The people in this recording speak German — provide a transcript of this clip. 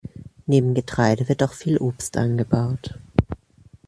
Neben Getreide wird auch viel Obst angebaut.